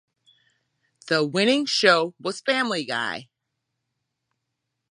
The winning show was Family Guy.